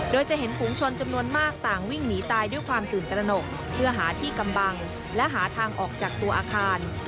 โดยจะเห็นฝูงชนจำนวนมากต่างวิ่งหนีตายด้วยความตื่นตระหนกเพื่อหาที่กำบังและหาทางออกจากตัวอาคาร